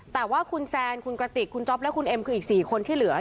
แต่ว่าคุณแซนคุณกระติกคุณจ๊อปและคุณเอ็มคืออีก๔คนที่เหลือ